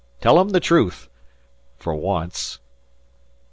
Tell 'em the truth for once."